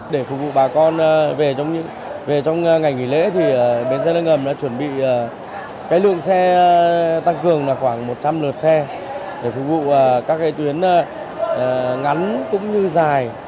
để phục vụ bà con về trong ngày nghỉ lễ thì bến xe nâng ngầm đã chuẩn bị lượng xe tăng cường khoảng một trăm linh lượt xe để phục vụ các tuyến ngắn cũng như dài